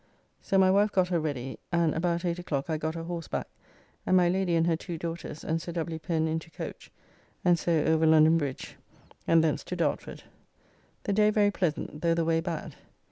So my wife got her ready, and about eight o'clock I got a horseback, and my Lady and her two daughters, and Sir W. Pen into coach, and so over London Bridge, and thence to Dartford. The day very pleasant, though the way bad.